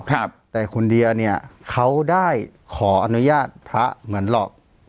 ครับแต่คุณเดียเนี่ยเขาได้ขออนุญาตพระเหมือนหลอก